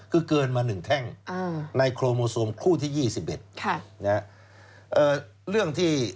คือเกินมา๑แท่งในโครโมโซมคู่ที่๒๑